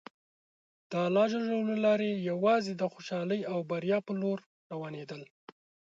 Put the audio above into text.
د الله له لارې یوازې د خوشحالۍ او بریا په لور روانېدل.